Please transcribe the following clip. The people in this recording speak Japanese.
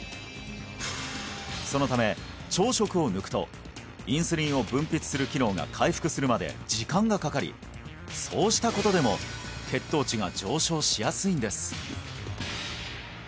そのため朝食を抜くとインスリンを分泌する機能が回復するまで時間がかかりそうしたことでも血糖値が上昇しやすいんです